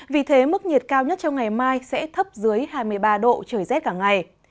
vì thế mức nhiệt cao nhất trong ngày mai sẽ thấp dưới hai mươi ba độ trời rét cả ngày